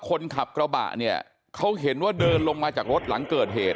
คนขับกระบะเนี่ยเขาเห็นว่าเดินลงมาจากรถหลังเกิดเหตุ